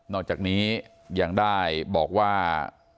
อกจากนี้ยังได้บอกว่า